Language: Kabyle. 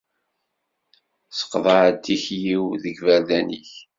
Sseqɛed tikli-w deg yiberdan-ik.